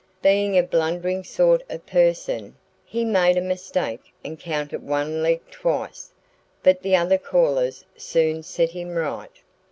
Being a blundering sort of person, he made a mistake and counted one leg twice. But the other callers soon set him right.